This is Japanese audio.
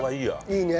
いいね。